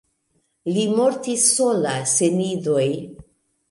Li mortis sola sen idoj.